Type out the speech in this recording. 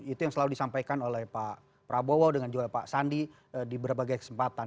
itu yang selalu disampaikan oleh pak prabowo dengan juga pak sandi di berbagai kesempatan